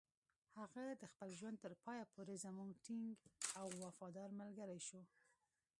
هغه د خپل ژوند تر پایه پورې زموږ ټینګ او وفادار ملګری شو.